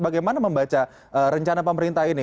bagaimana membaca rencana pemerintah ini